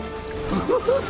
フフフフ！